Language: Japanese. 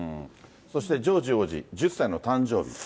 そしてジョージ王子、１０歳の誕生日。